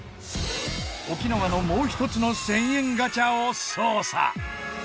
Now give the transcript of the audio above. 沖縄のもう一つの１０００円ガチャを捜査。